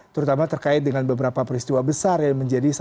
terutama terkait dengan beberapa peristiwa besar yang menjadi